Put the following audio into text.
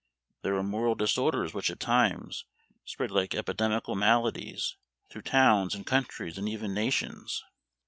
There are moral disorders which at times spread like epidemical maladies through towns, and countries, and even nations.